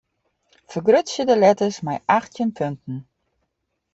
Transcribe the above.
Fergrutsje de letters mei achttjin punten.